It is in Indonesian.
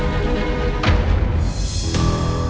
malin jangan lupa